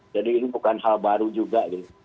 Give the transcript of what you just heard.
jadi ini bukan hal baru juga